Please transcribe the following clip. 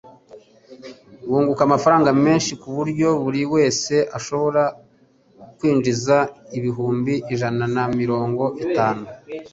bunguka amafaranga menshi ku buryo buri wese ashobora kwinjiza ibihumbi ijana na mirongo itanu